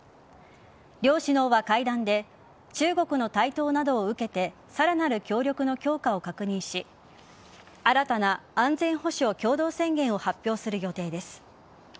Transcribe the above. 両首脳は会談で中国の台頭などを受けてさらなる協力の強化を確認し新たな安全保障共同宣言を発表する予定です。